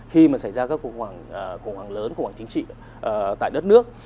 khi mà xảy ra các cuộc khủng hoảng lớn cuộc khủng hoảng chính trị tại đất nước